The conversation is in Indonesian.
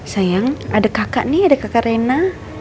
sayang ada kakak nih ada kakak rena